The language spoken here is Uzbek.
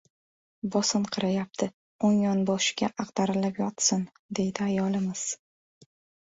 – Bosinqirayapti, o‘ng yonboshiga ag‘darilib yotsin, – deydi ayolimiz.